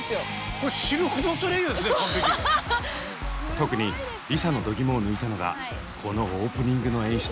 特にＬｉＳＡのどぎもを抜いたのがこのオープニングの演出。